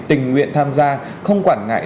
tình nguyện tham gia không quản ngại